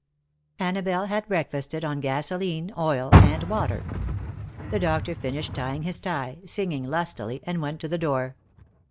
Annabelle had breakfasted, on gasoline, oil and water. The doctor finished tying his tie, singing lustily, and went to the door.